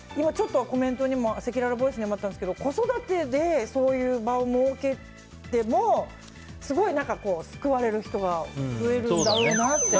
今、せきららボイスにもあったんですけど子育てでそういう場を設けてもすごい救われる人は増えるんだろうなって。